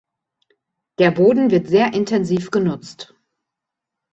Der Boden wird sehr intensiv genutzt.